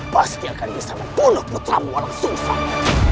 pasti akan bisa membunuh putra muarang sungsang